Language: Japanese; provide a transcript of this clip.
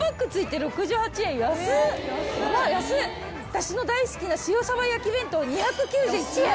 私の大好きな塩さば焼き弁当２９１円！